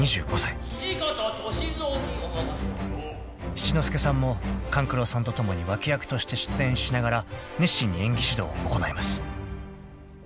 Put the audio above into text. ［七之助さんも勘九郎さんと共に脇役として出演しながら熱心に演技指導を行います］